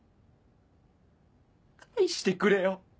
返してくれよ。